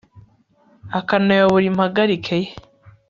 akanayobora impagarike ye